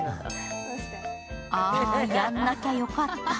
あぁやんなきゃよかった。